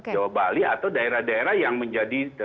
jawa bali atau daerah daerah yang menjadi